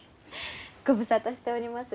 ご無沙汰しております。